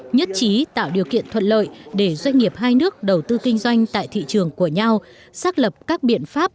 nhất trí tạo điều kiện thuận lợi để doanh nghiệp hai nước đầu tư kinh doanh tại thị trường của nhau xác lập các biện pháp